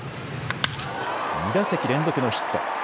２打席連続のヒット。